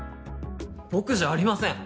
僕じゃありません！